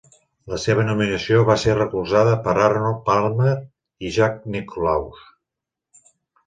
La seva nominació va ser recolzada per Arnold Palmer i Jack Nicklaus.